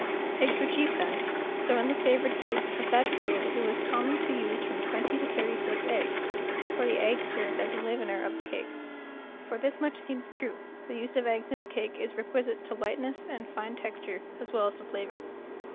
Eggs w 7 ere cheap then, so in the favored cake of that period it was common to use from twenty to thirty six eggs; for the egg served as a leavener of the cake. For this much seems true, the use of eggs in a cake is requisite to lightness and fine texture as well as to flavor.